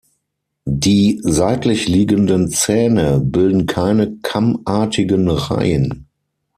Die seitlich liegenden Zähne bilden keine kammartigen Reihen.